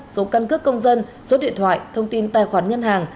số căn cước công dân số điện thoại thông tin tài khoản ngân hàng